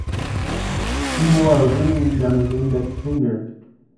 He wore a ring on his index finger.